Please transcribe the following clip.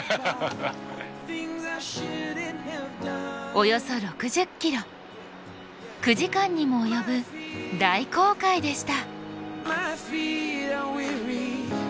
およそ６０ｋｍ９時間にも及ぶ大航海でした。